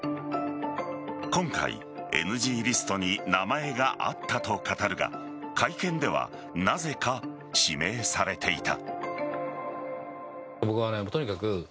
今回、ＮＧリストに名前があったと語るが会見では、なぜか指名されていた。